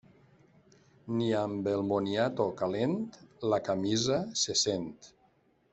Ni amb el moniato calent la camisa se sent.